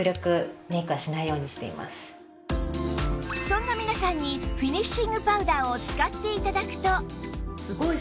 そんな皆さんにフィニッシングパウダーを使って頂くと